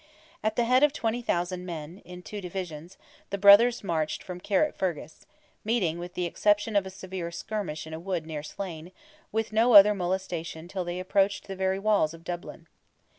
At the head of 20,000 men, in two divisions, the brothers marched from Carrickfergus; meeting, with the exception of a severe skirmish in a wood near Slane, with no other molestation till they approached the very walls of Dublin.